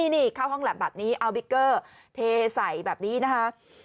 นี่เข้าห้องแล็บแบบนี้เอาบิกเกอร์เทใส่แบบนี้นะคะ